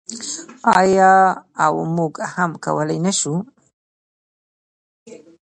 آیا او موږ هم کولی نشو؟